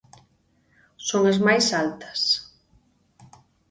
Son as máis altas.